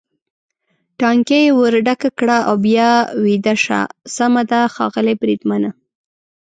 ټانکۍ یې ور ډکه کړه او بیا ویده شه، سمه ده ښاغلی بریدمنه.